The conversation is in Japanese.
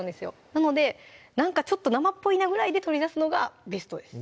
なのでなんかちょっと生っぽいなぐらいで取り出すのがベストです